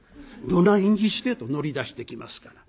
「どないにして？」と乗り出してきますから。